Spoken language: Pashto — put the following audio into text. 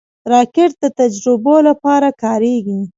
راکټ د تجربو لپاره کارېږي